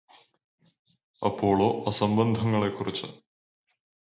Apollo അസംബന്ധംങ്ങളെക്കുറിച്ച്